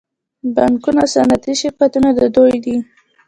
بانکونه او صنعتي شرکتونه د دوی دي